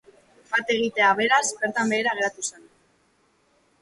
Bat-egitea beraz, bertan behera geratu zen.